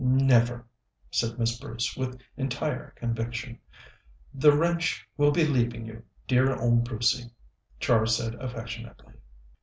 "Never!" said Miss Bruce with entire conviction. "The wrench will be leaving you, dear old Brucey," Char said affectionately.